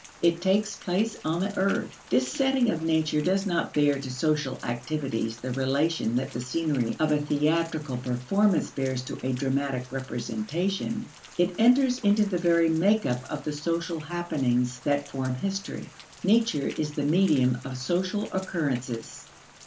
It takes place on the earth. This setting of nature does not bear to social activities the relation that the scenery of a theatrical performance bears to a dramatic representation; it enters into the very make up of the social happenings that form history. Nature is the medium of social occurrences.